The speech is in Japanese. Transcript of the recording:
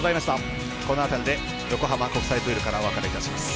この辺りで横浜国際プールからお別れいたします。